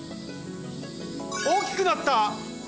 おおきくなった！